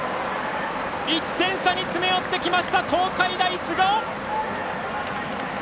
１点差に詰め寄ってきました東海大菅生！